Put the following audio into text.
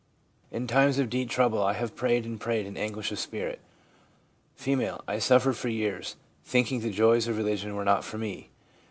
In times of deep trouble I have prayed and prayed in anguish of spirit.' F. ■ I suffered for years, thinking the joys of religion were not for me.'